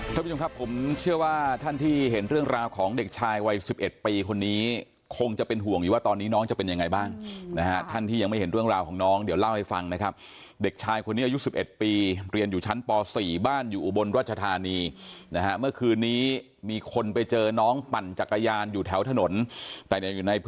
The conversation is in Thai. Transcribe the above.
ท่านผู้ชมครับผมเชื่อว่าท่านที่เห็นเรื่องราวของเด็กชายวัย๑๑ปีคนนี้คงจะเป็นห่วงอยู่ว่าตอนนี้น้องจะเป็นยังไงบ้างนะฮะท่านที่ยังไม่เห็นเรื่องราวของน้องเดี๋ยวเล่าให้ฟังนะครับเด็กชายคนนี้อายุ๑๑ปีเรียนอยู่ชั้นป๔บ้านอยู่อุบลรัชธานีนะฮะเมื่อคืนนี้มีคนไปเจอน้องปั่นจักรยานอยู่แถวถนนแต่เนี่ยอยู่ในพ